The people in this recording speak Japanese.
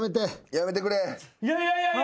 やめてくれ！